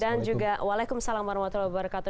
dan juga waalaikumsalam warahmatullahi wabarakatuh